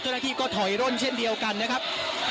เจ้าหน้าที่ก็ถอยร่นเช่นเดียวกันนะครับ